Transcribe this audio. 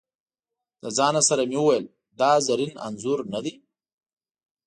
له ځانه سره مې وویل: دا زرین انځور نه دی.